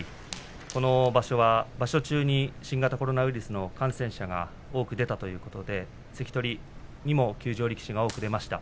この場所は場所中に新型コロナウイルスの感染者が多く出たということで関取にも休場力士が多く出ました。